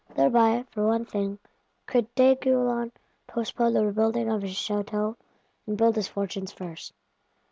Thereby, for one thing, could D'Aiguillon postpone the rebuilding of his Château, and rebuild his fortunes first.